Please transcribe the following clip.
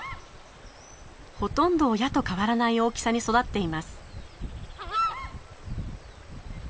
ほとんど親と変わらない大きさに育っています。